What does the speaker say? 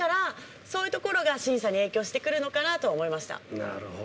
なるほど。